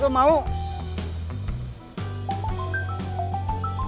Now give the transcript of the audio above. kamu mau pesen apa